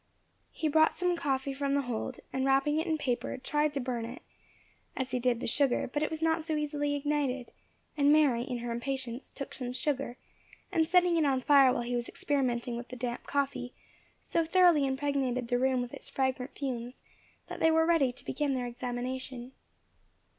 He brought some coffee from the hold, and wrapping it in paper, tried to burn it, as he did the sugar; but it was not so easily ignited; and Mary, in her impatience, took some sugar, and setting it on fire while he was experimenting with the damp coffee, so thoroughly impregnated the room with its fragrant fumes, that they were ready to begin their examination.